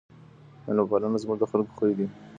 ميلمه پالنه زموږ د خلګو خوی دی.